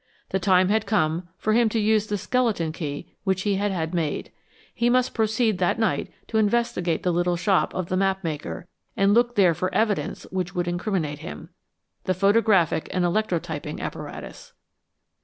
The time had come for him to use the skeleton key which he had had made. He must proceed that night to investigate the little shop of the map maker and look there for the evidence which would incriminate him the photographic and electrotyping apparatus.